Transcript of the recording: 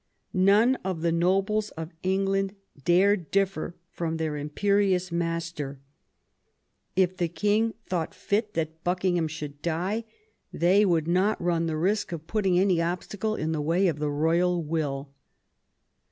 None of the nobles of England dared differ from their imperious master. If the king thought fit that Bucking V THE CONFERENCE OF CALAIS 71 ham should die, they would not run the risk of putting any obstacle in the way of the royal will.